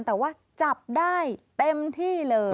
แต่ว่าจับได้เต็มที่เลย